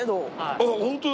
あっホントだ。